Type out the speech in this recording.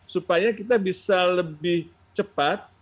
supaya kita bisa lebih cepat